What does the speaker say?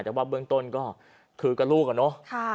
แต่ว่าเบื้องต้นก็คือกับลูกอะเนาะ